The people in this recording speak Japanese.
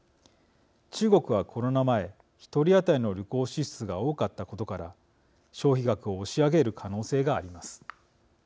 中国はコロナ前１人当たりの旅行支出が多かったことから消費額を押し上げる可能性があります。